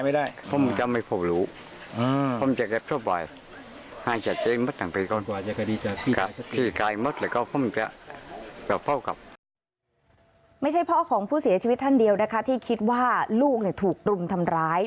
ไม่ใช่พ่อของผู้เสียชีวิตท่านเดียวนะคะที่คิดว่าลูกถูกรุมทำร้าย